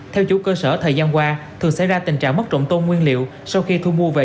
theo chủ cơ sở thời gian qua thường xảy ra tình trạng mất trộm tôm nguyên liệu sau khi thu mua về